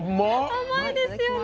甘いですよね？